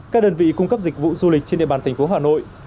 các đơn vị cung cấp dịch vụ du lịch trên địa bàn thành phố hà nội